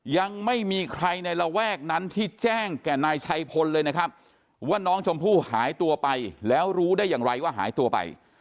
ยังไม่มีใครในระแวกนั้นที่แจ้งแก่นายชัยพลเลยนะครับว่าน้องชมพู่หายตัวไปแล้วรู้ได้อย่างไรว่าหายตัวไป